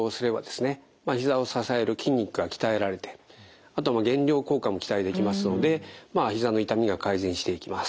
ひざを支える筋肉が鍛えられてあとは減量効果も期待できますのでひざの痛みが改善していきます。